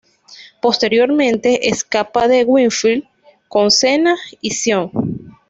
Posteriormente escapa de Winfield con Sena y Shion.